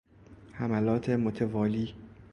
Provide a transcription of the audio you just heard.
حملات متوالی